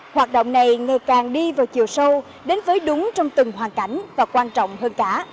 hoạt động này ngày càng đi vào chiều sâu đến với đúng trong từng hoàn cảnh và quan trọng hơn cả